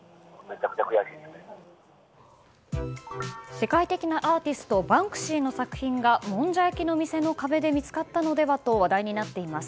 世界的なアーティストバンクシーの作品がもんじゃ焼きの店の壁で見つかったのではと話題になっています。